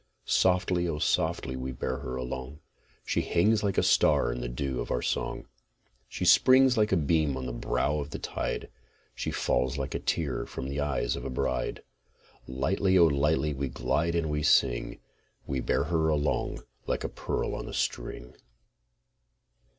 Softly, O softly we bear her along, She hangs like a star in the dew of our song; She springs like a beam on the brow of the tide, She falls like a tear from the eyes of a bride. Lightly, O lightly we glide and we sing, We bear her along like a pearl on a string.